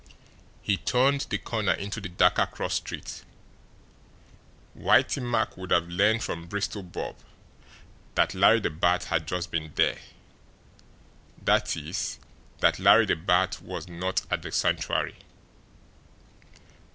He turned the corner into the darker cross street. Whitey Mack would have learned from Bristol Bob that Larry the Bat had just been there; that is, that Larry the Bat was not at the Sanctuary.